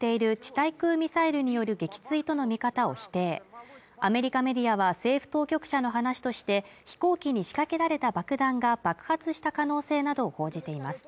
対空ミサイルによる撃墜との見方を否定アメリカメディアは政府当局者の話として飛行機に仕掛けられた爆弾が爆発した可能性などを報じています